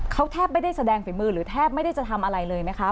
เขาแทบไม่ได้แสดงฝีมือหรือแทบไม่ได้จะทำอะไรเลยไหมคะ